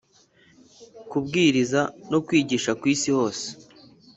Kubwiriza no kwigisha ku isi hose